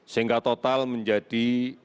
sehingga total menjadi enam puluh delapan